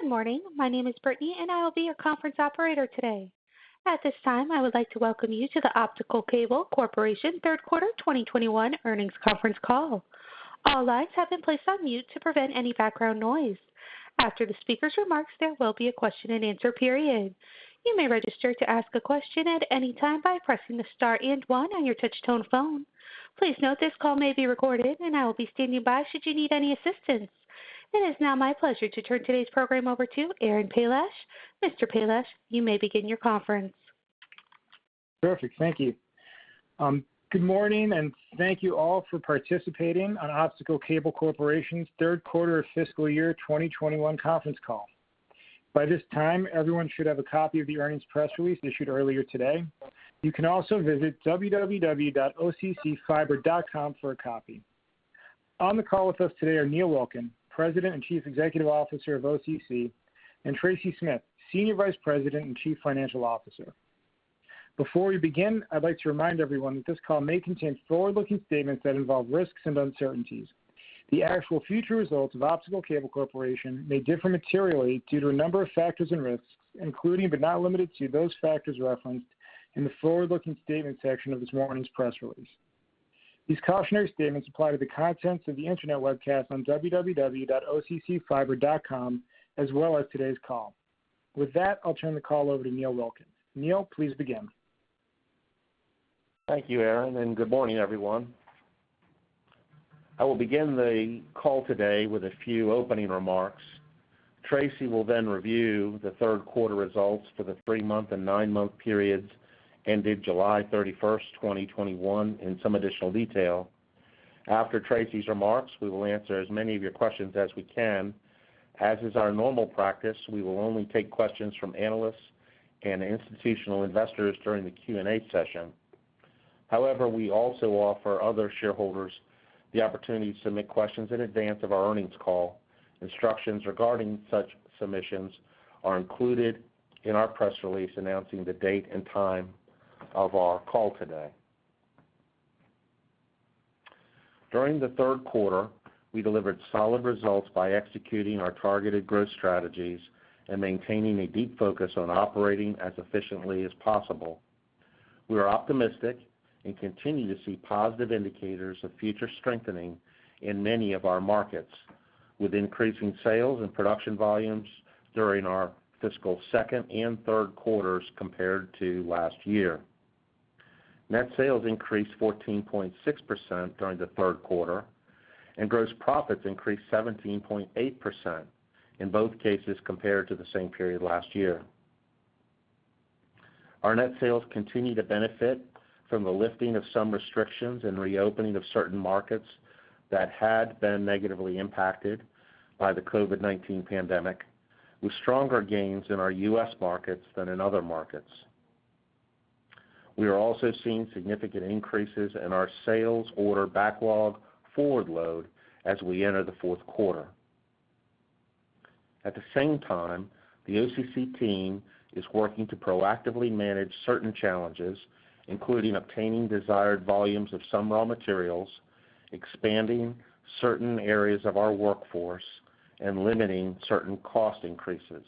Good morning. My name is Brittany, and I will be your conference operator today. At this time, I would like to welcome you to the Optical Cable Corporation Third Quarter 2021 Earnings Conference Call. All lines have been placed on mute to prevent any background noise. After the speakers' remarks, there will be a question and answer period. You may register to ask a question at any time by pressing the star and one on your touch-tone phone. Please note this call may be recorded, and I will be standing by should you need any assistance. It is now my pleasure to turn today's program over to Aaron Palash. Mr. Palash, you may begin your conference. Perfect. Thank you. Good morning. Thank you all for participating on Optical Cable Corporation's Third Quarter Fiscal Year 2021 Conference Call. By this time, everyone should have a copy of the earnings press release issued earlier today. You can also visit www.occfiber.com for a copy. On the call with us today are Neil Wilkin, President and Chief Executive Officer of OCC, and Tracy Smith, Senior Vice President and Chief Financial Officer. Before we begin, I'd like to remind everyone that this call may contain forward-looking statements that involve risks and uncertainties. The actual future results of Optical Cable Corporation may differ materially due to a number of factors and risks, including but not limited to those factors referenced in the forward-looking statements section of this morning's press release. These cautionary statements apply to the contents of the internet webcast on www.occfiber.com, as well as today's call. With that, I'll turn the call over to Neil Wilkin. Neil, please begin. Thank you, Aaron, and good morning, everyone. I will begin the call today with a few opening remarks. Tracy will review the third quarter results for the three-month and nine-month periods ended July 31st, 2021, in some additional detail. After Tracy's remarks, we will answer as many of your questions as we can. As is our normal practice, we will only take questions from analysts and institutional investors during the Q&A session. However, we also offer other shareholders the opportunity to submit questions in advance of our earnings call. Instructions regarding such submissions are included in our press release announcing the date and time of our call today. During the third quarter, we delivered solid results by executing our targeted growth strategies and maintaining a deep focus on operating as efficiently as possible. We are optimistic and continue to see positive indicators of future strengthening in many of our markets, with increasing sales and production volumes during our fiscal second and third quarters compared to last year. Net sales increased 14.6% during the third quarter, and gross profits increased 17.8%, in both cases compared to the same period last year. Our net sales continue to benefit from the lifting of some restrictions and reopening of certain markets that had been negatively impacted by the COVID-19 pandemic, with stronger gains in our U.S. markets than in other markets. We are also seeing significant increases in our sales order backlog forward load as we enter the fourth quarter. At the same time, the OCC team is working to proactively manage certain challenges, including obtaining desired volumes of some raw materials, expanding certain areas of our workforce, and limiting certain cost increases.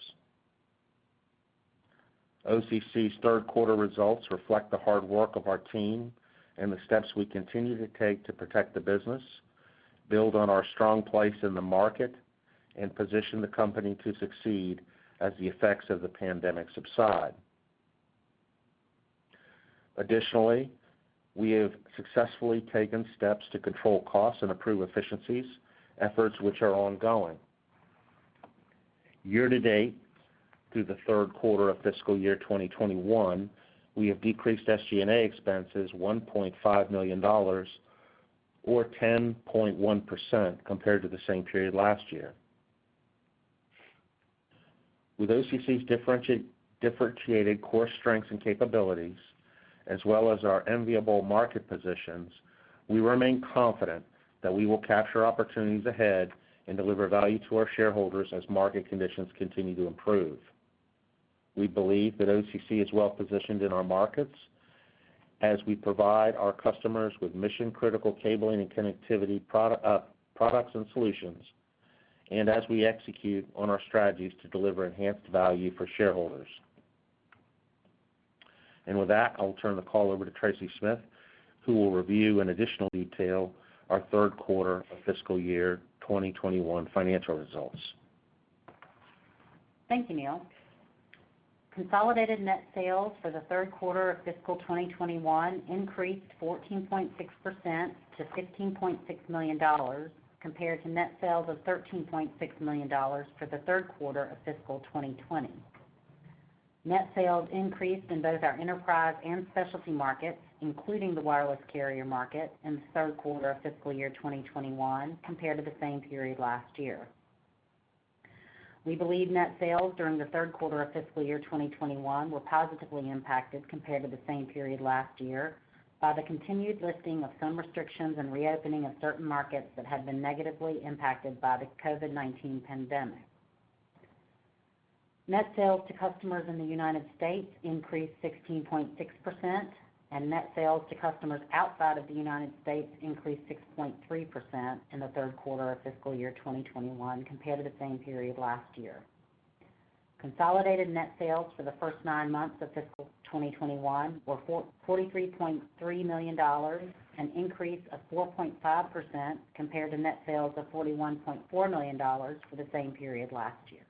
OCC's third quarter results reflect the hard work of our team and the steps we continue to take to protect the business, build on our strong place in the market, and position the company to succeed as the effects of the pandemic subside. Additionally, we have successfully taken steps to control costs and improve efficiencies, efforts which are ongoing. Year to date, through the third quarter of fiscal year 2021, we have decreased SG&A expenses $1.5 million, or 10.1%, compared to the same period last year. With OCC's differentiated core strengths and capabilities, as well as our enviable market positions, we remain confident that we will capture opportunities ahead and deliver value to our shareholders as market conditions continue to improve. We believe that OCC is well-positioned in our markets as we provide our customers with mission-critical cabling and connectivity products and solutions, and as we execute on our strategies to deliver enhanced value for shareholders. With that, I'll turn the call over to Tracy Smith, who will review in additional detail our third quarter of fiscal year 2021 financial results. Thank you, Neil. Consolidated net sales for the third quarter of fiscal 2021 increased 14.6% to $15.6 million, compared to net sales of $13.6 million for the third quarter of fiscal 2020. Net sales increased in both our enterprise and specialty markets, including the wireless carrier market, in the third quarter of fiscal year 2021 compared to the same period last year. We believe net sales during the third quarter of fiscal year 2021 were positively impacted compared to the same period last year by the continued lifting of some restrictions and reopening of certain markets that had been negatively impacted by the COVID-19 pandemic. Net sales to customers in the United States increased 16.6%, and net sales to customers outside of the United States increased 6.3% in the third quarter of fiscal year 2021 compared to the same period last year. Consolidated net sales for the first nine months of fiscal 2021 were $43.3 million, an increase of 4.5% compared to net sales of $41.4 million for the same period last year.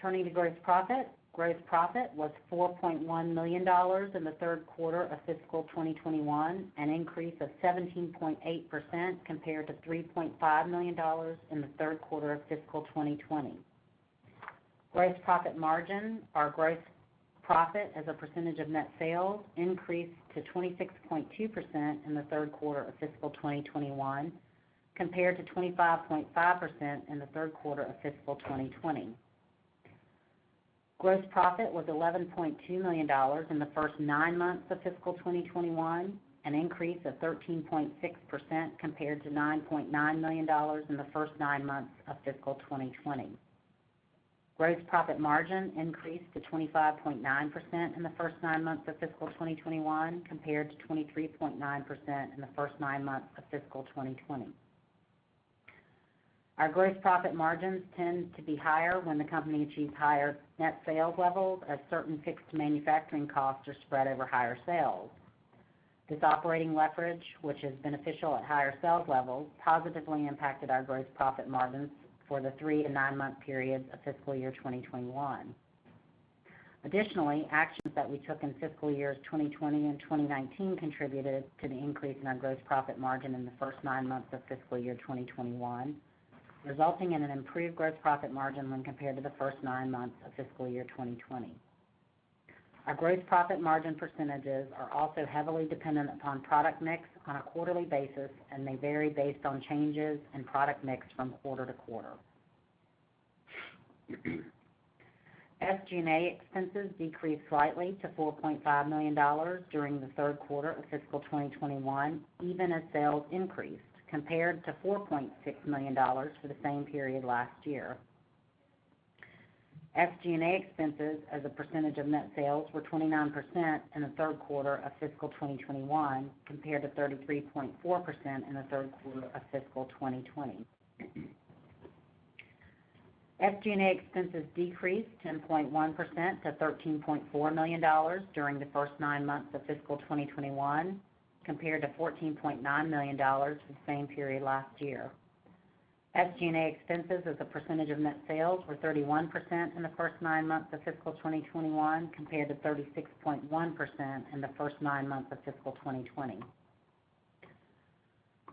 Turning to gross profit. Gross profit was $4.1 million in the third quarter of fiscal 2021, an increase of 17.8% compared to $3.5 million in the third quarter of fiscal 2020. Gross profit margin, our gross profit as a percentage of net sales, increased to 26.2% in the third quarter of fiscal 2021, compared to 25.5% in the third quarter of fiscal 2020. Gross profit was $11.2 million in the first nine months of fiscal 2021, an increase of 13.6% compared to $9.9 million in the first nine months of fiscal 2020. Gross profit margin increased to 25.9% in the first nine months of fiscal 2021, compared to 23.9% in the first nine months of fiscal 2020. Our gross profit margins tend to be higher when the company achieves higher net sales levels, as certain fixed manufacturing costs are spread over higher sales. This operating leverage, which is beneficial at higher sales levels, positively impacted our gross profit margins for the three to nine-month periods of fiscal year 2021. Additionally, actions that we took in fiscal years 2020 and 2019 contributed to the increase in our gross profit margin in the first nine months of fiscal year 2021, resulting in an improved gross profit margin when compared to the first nine months of fiscal year 2020. Our gross profit margin percentages are also heavily dependent upon product mix on a quarterly basis, and may vary based on changes in product mix from quarter to quarter. SG&A expenses decreased slightly to $4.5 million during the third quarter of fiscal 2021, even as sales increased, compared to $4.6 million for the same period last year. SG&A expenses as a percentage of net sales were 29% in the third quarter of fiscal 2021, compared to 33.4% in the third quarter of fiscal 2020. SG&A expenses decreased 10.1% to $13.4 million during the first nine months of fiscal 2021, compared to $14.9 million for the same period last year. SG&A expenses as a percentage of net sales were 31% in the first nine months of fiscal 2021, compared to 36.1% in the first nine months of fiscal 2020.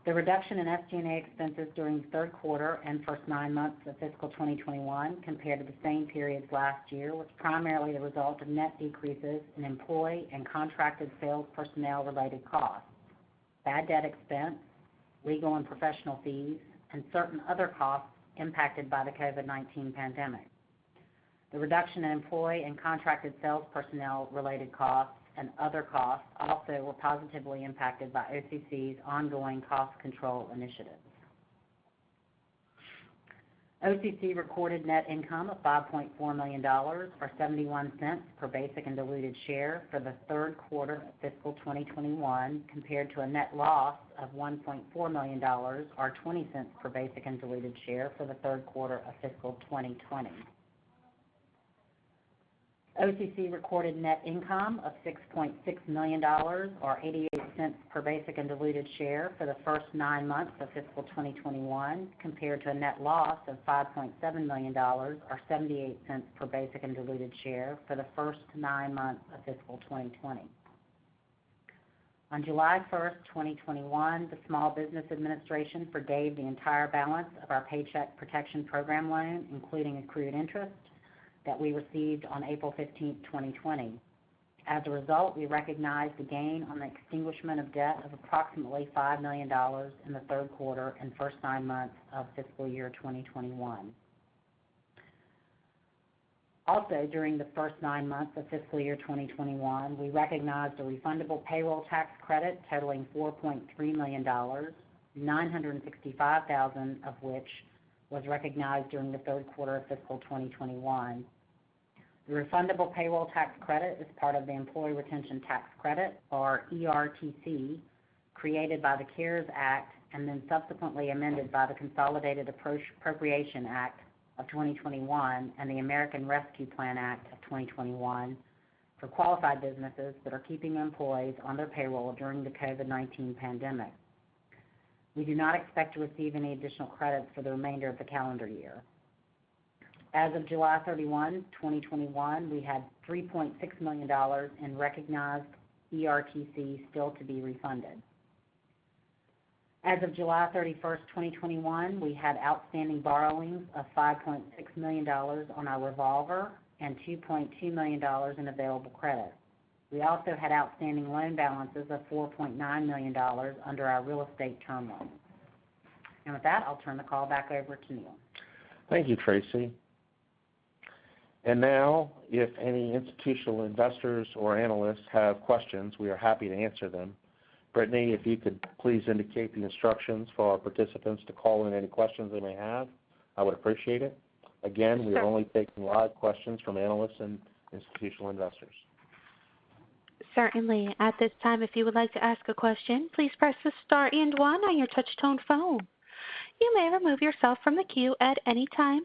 The reduction in SG&A expenses during the third quarter and first nine months of fiscal 2021 compared to the same periods last year was primarily the result of net decreases in employee and contracted sales personnel-related costs, bad debt expense, legal and professional fees, and certain other costs impacted by the COVID-19 pandemic. The reduction in employee and contracted sales personnel-related costs and other costs also were positively impacted by OCC's ongoing cost control initiatives. OCC recorded net income of $5.4 million, or $0.71 per basic and diluted share for the third quarter of fiscal 2021, compared to a net loss of $1.4 million, or $0.20 per basic and diluted share for the third quarter of fiscal 2020. OCC recorded net income of $6.6 million, or $0.88 per basic and diluted share for the first nine months of fiscal 2021, compared to a net loss of $5.7 million, or $0.78 per basic and diluted share for the first nine months of fiscal 2020. On July 1st, 2021, the Small Business Administration forgave the entire balance of our Paycheck Protection Program loan, including accrued interest, that we received on April 15, 2020. As a result, we recognized a gain on the extinguishment of debt of approximately $5 million in the third quarter and first nine months of fiscal year 2021. Also, during the first nine months of fiscal year 2021, we recognized a refundable payroll tax credit totaling $4.3 million, $965,000 of which was recognized during the third quarter of fiscal 2021. The refundable payroll tax credit is part of the Employee Retention Tax Credit, or ERTC, created by the CARES Act and then subsequently amended by the Consolidated Appropriations Act, 2021 and the American Rescue Plan Act of 2021 for qualified businesses that are keeping employees on their payroll during the COVID-19 pandemic. We do not expect to receive any additional credits for the remainder of the calendar year. As of July 31, 2021, we had $3.6 million in recognized ERTC still to be refunded. As of July 31st, 2021, we had outstanding borrowings of $5.6 million on our revolver and $2.2 million in available credit. We also had outstanding loan balances of $4.9 million under our real estate term loan. With that, I'll turn the call back over to Neil. Thank you, Tracy. Now, if any institutional investors or analysts have questions, we are happy to answer them. Brittany, if you could please indicate the instructions for our participants to call in any questions they may have, I would appreciate it. We are only taking live questions from analysts and institutional investors. Certainly. At this time, if you would like to ask a question, please press the star and one on your touch-tone phone. You may remove yourself from the queue at any time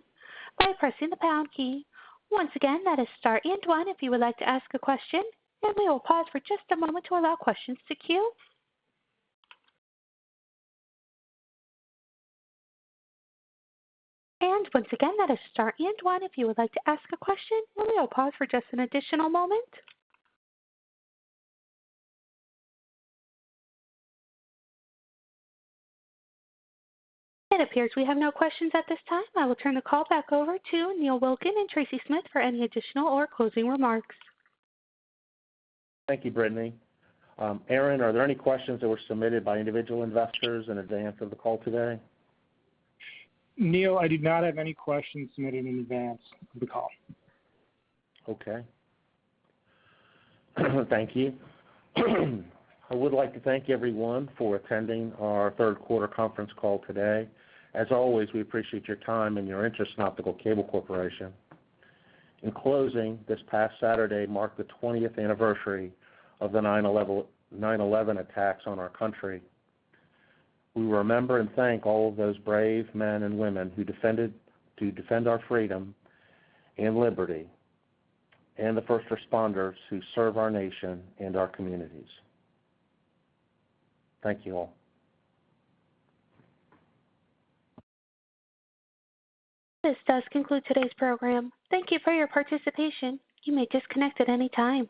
by pressing the pound key. Once again, that is star and one if you would like to ask a question, and we will pause for just a moment to allow questions to queue. Once again, that is star and one if you would like to ask a question, and we will pause for just an additional moment. It appears we have no questions at this time. I will turn the call back over to Neil Wilkin and Tracy Smith for any additional or closing remarks. Thank you, Brittany. Aaron, are there any questions that were submitted by individual investors in advance of the call today? Neil, I did not have any questions submitted in advance of the call. Okay. Thank you. I would like to thank everyone for attending our third quarter conference call today. As always, we appreciate your time and your interest in Optical Cable Corporation. In closing, this past Saturday marked the 20th anniversary of the 9/11 attacks on our country. We remember and thank all of those brave men and women who defend our freedom and liberty, and the first responders who serve our nation and our communities. Thank you all. This does conclude today's program. Thank you for your participation. You may disconnect at any time.